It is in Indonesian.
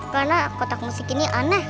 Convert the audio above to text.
karena kotak musik ini aneh